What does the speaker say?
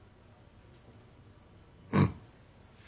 うん。